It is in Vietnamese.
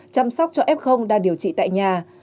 chăm sóc cho f đang điều trị tại nhà